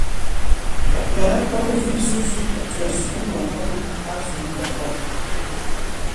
Mɛ nɛ́ kpɔ́k wí-zúzú nɛ zu̧ú̧ mɔ kɔ́-mɛ́ á̧ zu̧ú̧ mɔ kɔ́ʼm.